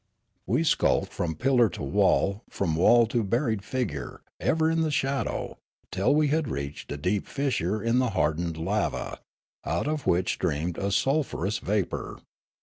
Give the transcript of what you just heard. " We skulked from pillar to wall, from wall to buried figure, ev'cr in the shadow, till we had reached a deep fissure in the hardened lava, out of which streamed a sulphurous vapour.